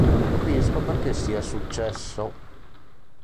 Non capisco perché sia successo".